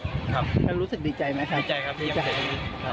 ครับแล้วรู้สึกดีใจไหมครับดีใจครับยังเสียชีวิตครับ